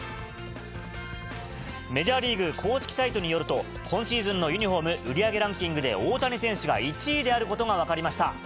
メジャーリーグ公式サイトによると今シーズンのユニホーム売り上げランキングで、大谷選手が１位であることが分かりました。